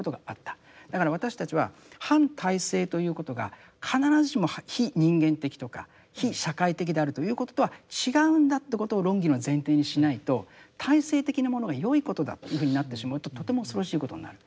だから私たちは反体制ということが必ずしも非人間的とか非社会的であるということとは違うんだってことを論議の前提にしないと体制的なものが良いことだというふうになってしまうととても恐ろしいことになる。